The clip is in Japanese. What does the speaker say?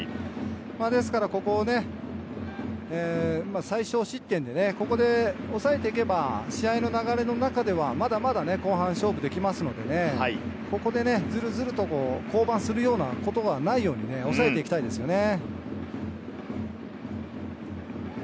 ですからここを最少失点でここで抑えていけば、試合の流れの中ではまだまだ後半勝負できますのでね、ここでずるずると降板するようなことがないように抑えていきたいですよね。